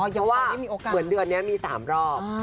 อ๋อยังไม่มีโอกาสเพราะว่าเหมือนเดือนนี้มี๓รอบ